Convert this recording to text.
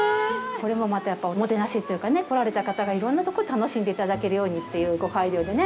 これもまた、おもてなしというかね来られた方が、いろんなとこで楽しんでいただけるようにっていうご配慮でね。